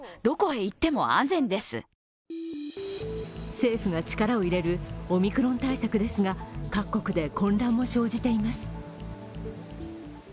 政府が力を入れるオミクロン対策ですが各国で混乱も生じています。